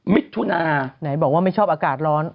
มิถุนาไหนบอกว่าไม่ชอบอากาศร้อน